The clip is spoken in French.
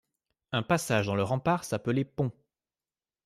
Un passage dans le rempart s'appelait pont.